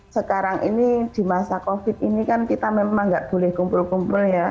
sekarang ini di masa covid ini kan kita memang nggak boleh kumpul kumpul ya